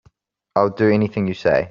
I'll do anything you say.